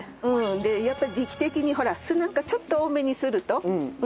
やっぱり時期的にほら酢なんかちょっと多めにするといいかなと。